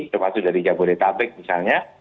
terutama dari jabodetabek misalnya